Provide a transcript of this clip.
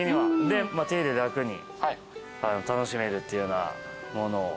で手入れ楽に楽しめるっていうようなものを。